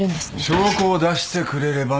証拠を出してくれればの話だ。